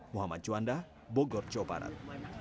muhammad juanda bogor jawa barat